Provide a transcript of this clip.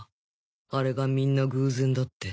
あれがみんな偶然だって。